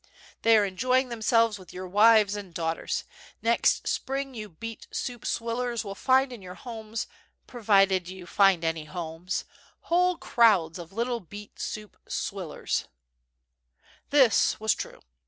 They are enjoying themselves with your wives and daughters, is'ext spring you beet soup swillers will find in your homes, provided you find any homes, whole crowds of little beet soup swillers/ This was true.